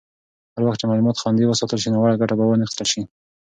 هر وخت چې معلومات خوندي وساتل شي، ناوړه ګټه به وانخیستل شي.